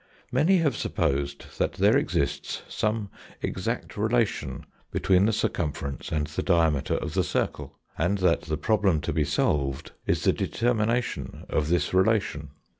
Many have supposed that there exists some exact relation between the circumference and the diameter of the circle, and that the problem to be solved is the determination of this relation.